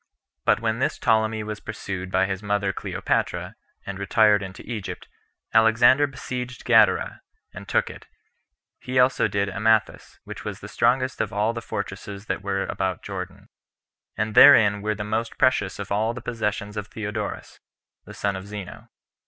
But when this Ptolemy was pursued by his mother Cleopatra, and retired into Egypt, Alexander besieged Gadara, and took it; as also he did Amathus, which was the strongest of all the fortresses that were about Jordan, and therein were the most precious of all the possessions of Theodorus, the son of Zeno.